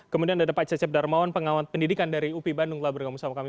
kemudian ada pak cecep darmawan pengawat pendidikan dari upi bandung telah bergabung sama kami